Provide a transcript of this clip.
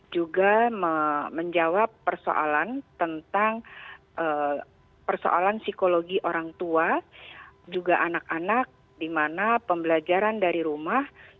juga menjawab persoalan tentang persoalan psikologi orang tua juga anak anak di mana pembelajaran dari rumah